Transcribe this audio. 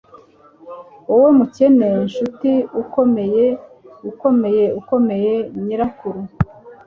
Wowe mukene nshuti ukomeye ukomeye ukomeye nyirakuru